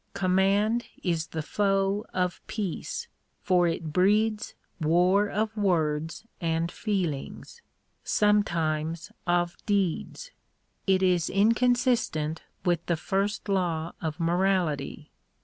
Command is the foe of peace, for it breeds war of words and feelings — sometimes of deeds. It is inconsistent with the first law of morality.